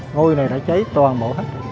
ngôi này đã cháy toàn bộ hết